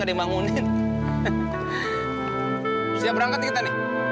suka sama dia ya